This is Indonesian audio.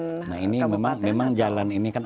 nah ini memang jalan ini kan